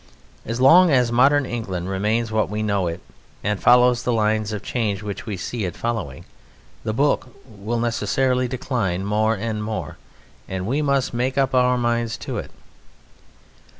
As long as modern England remains what we know it, and follows the lines of change which we see it following, the Book will necessarily decline more and more, and we must make up our minds to it.